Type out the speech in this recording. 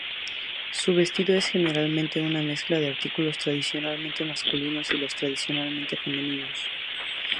Su vestido es generalmente una mezcla de artículos tradicionalmente masculinos y tradicionalmente femeninos.